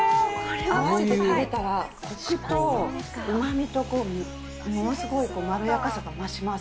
合わせて食べたら、こくとうまみとものすごいまろやかさが増します。